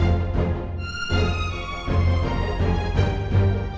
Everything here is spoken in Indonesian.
apa sentence ya kok